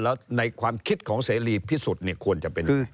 แล้วในความคิดของเสรีพิสุทธิ์เนี่ยควรจะเป็น